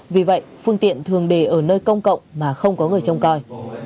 vì vậy phương tiện thường để ở nơi công cộng mà không có người trông coi